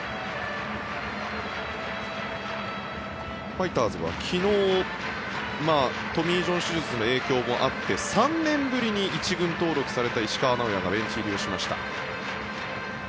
ファイターズは昨日トミー・ジョン手術の影響もあって３年ぶりに１軍登録された石川直也がベンチ入りをしました。